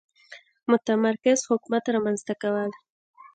متمرکز حکومت رامنځته کول.